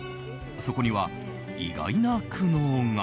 そこには意外な苦悩が。